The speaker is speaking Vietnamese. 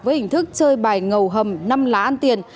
với hình thức chơi bài ngầu hầm năm lá ăn tiền